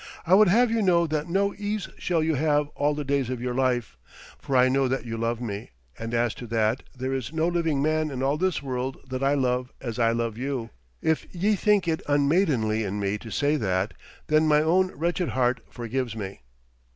I would have you know that no ease shall you have all the days of your life, for I know that you love me, and as to that, there is no living man in all this world that I love as I love you. If ye think it unmaidenly in me to say that then my own wretched heart forgives me.'